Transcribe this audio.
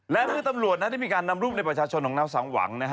และเมื่อตำรวจนั้นได้มีการนำรูปในประชาชนของนางสังหวังนะฮะ